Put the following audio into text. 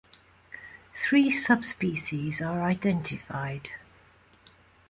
Three subspecies are identified.